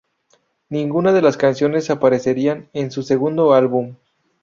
Ninguna de las canciones aparecerían en su segundo álbum.